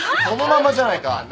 そのまんまじゃないか。